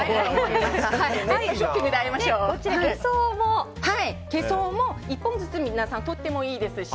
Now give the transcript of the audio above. ゲソも１本ずつとってもいいですし